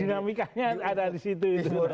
dinamikanya ada di situ